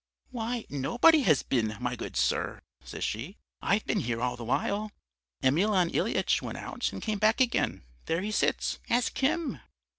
"'Why, nobody has been, my good sir,' says she; 'I've been here all the while; Emelyan Ilyitch went out and came back again; there he sits, ask him.'